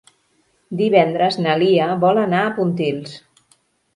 Divendres na Lia vol anar a Pontils.